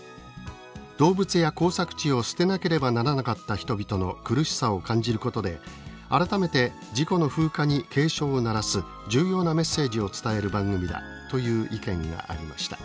動物や耕作地を捨てなければならなかった人々の苦しさを感じることで改めて事故の風化に警鐘を鳴らす重要なメッセージを伝える番組だ」という意見がありました。